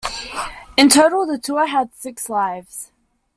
In total, the tour had six lives.